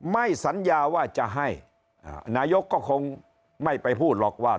ไม่สัญญาว่าจะให้นายกก็คงไม่ไปพูดหรอกว่า